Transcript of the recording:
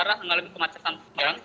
arah mengalami kemacetan